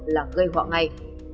nói chung là gây họ ngay